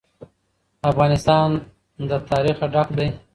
افغانستان له تاریخ ډک دی.